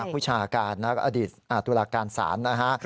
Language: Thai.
ผู้ชามอดีตตุลาการสารนะฮะ